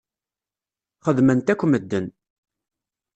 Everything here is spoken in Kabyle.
Xedmen-t akk medden.